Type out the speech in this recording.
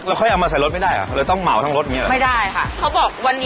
เขาบอกวันนี้ตัดได้๒เครงเราต้องซื้อ๒เครง